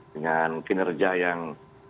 dengan kinerja yang